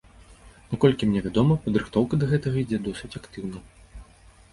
Наколькі мне вядома, падрыхтоўка да гэтага ідзе досыць актыўна.